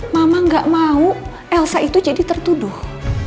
mama gak mau elsa itu jadi tertuduh